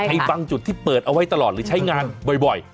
บางจุดที่เปิดเอาไว้ตลอดหรือใช้งานบ่อย